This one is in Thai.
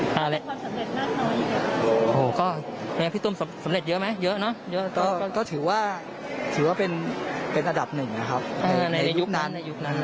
ตอนนั้นพี่คือประสบความสำเร็จมากขนาดรุ่นที่ถ่ายสูงเลยนะครับคือความสำเร็จมากน้อยเยอะ